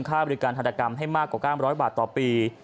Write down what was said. ค่าบริการทันตกรรมให้มากกว่า๙๐๐บาทต่อปี